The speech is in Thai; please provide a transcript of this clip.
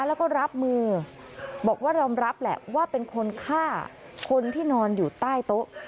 แล้วก็รับมือบอกว่ายอมรับแหละว่าเป็นคนฆ่าคนที่นอนอยู่ใต้โต๊ะ